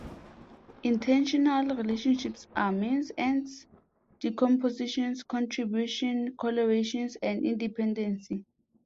Intentional relationships are: means-ends, decomposition, contribution, correlation and dependency.